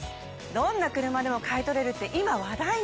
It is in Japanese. どんな車でも買い取れるって今話題の！